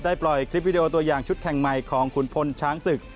ปล่อยคลิปวิดีโอตัวอย่างชุดแข่งใหม่ของขุนพลช้างศึก